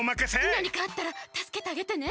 なにかあったらたすけてあげてね。